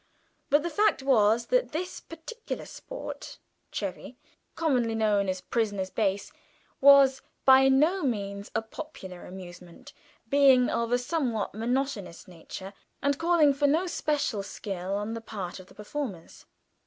But the fact was that this particular sport, "chevy," commonly known as "prisoners' base," was by no means a popular amusement, being of a somewhat monotonous nature, and calling for no special skill on the part of the performers.